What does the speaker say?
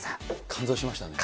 感動しましたね。